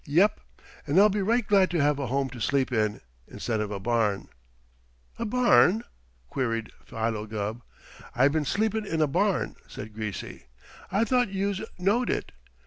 Yep. And I'll be right glad to have a home to sleep in, instead of a barn." "A barn?" queried Philo Gubb. "I been sleepin' in a barn," said Greasy. "I thought youse knowed it.